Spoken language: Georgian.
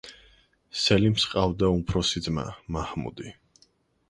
სელიმს ჰყავდა უფროსი ძმა, მაჰმუდი.